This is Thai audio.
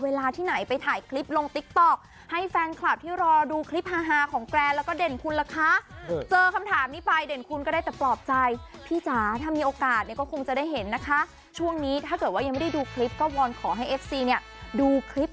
ก่อนที่จะไปถ่ายละคร๗วันครั้งที่แล้วเขาถ่ายทิ้งไว้ประมาณ๒๓คลิปแล้วเอามาลงย้อนหลังทีหลังอะไรอย่างนี้ครับ